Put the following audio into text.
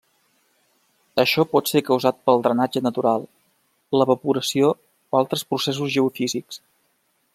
Això pot ser causat pel drenatge natural, l'evaporació o altres processos geofísics.